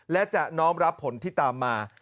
และจะน้อมรับผลที่ตามมา